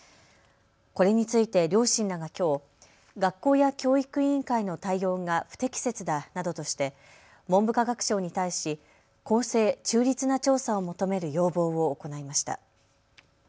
これについて両親らがきょう学校や教育委員会の対応が不適切だなどとして文部科学省に対し公正・中立な調査を求める要望を行いました。